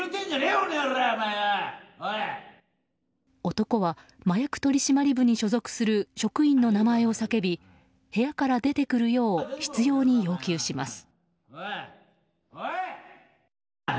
男は、麻薬取締部に所属する職員の名前を叫び部屋から出てくるように執拗に要求します。